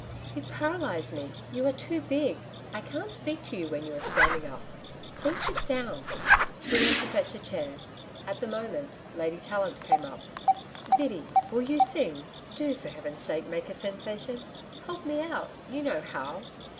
'You paralyse me: you are too big. I can't speak to you when you are standing up. Please sit down.' He went to fetch a chair. At the moment, Lady Tallant came up. 'Biddy, will you sing. Do for Heaven's sake make a sensation. Help me out! You know how!'